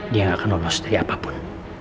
dia gak akan lolos dari apapun